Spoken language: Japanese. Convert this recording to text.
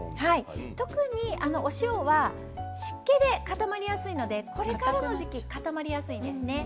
特にお塩は湿気で固まりやすいのでこれからの時期固まりやすいですね。